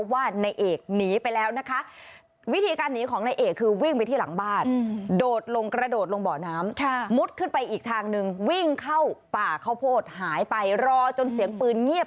วิ่งเข้าป่าข้าวโพดหายไปรอจนเสียงปืนเงียบ